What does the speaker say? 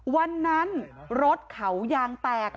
วันนั้นรถเขายางแตก